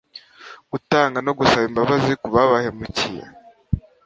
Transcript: gutanga no gusaba imbabazi ku babahemukiye.